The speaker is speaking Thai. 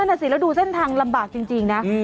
นั่นน่ะสิแล้วดูเส้นทางลำบากจริงนะ